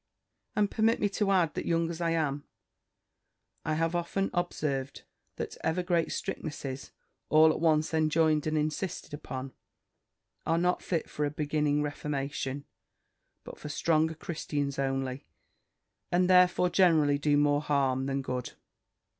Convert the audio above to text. And permit me to add, that young as I am, I have often observed, that over great strictnesses all at once enjoined and insisted upon, are not fit for a beginning reformation, but for stronger Christians only; and therefore generally do more harm than good.